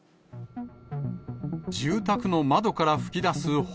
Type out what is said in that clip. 住宅の窓から噴き出す炎。